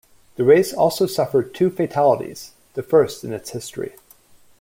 The race also suffered two fatalities, the first in its history.